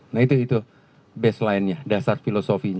nah itu baseline nya dasar filosofinya